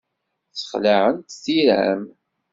Ssexlaɛent tira-m.